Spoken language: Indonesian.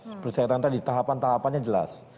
seperti saya tadi tahapan tahapannya jelas